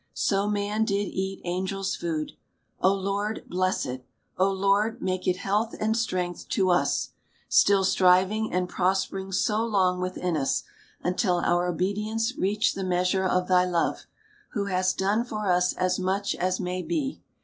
So man did eat angel's food. O Lord, bless it ! Lord, make it health and strength to us !— still striving and prospering so long within us, until our 89 obedience reach the measure of thy love, who hast done for us as much as may be.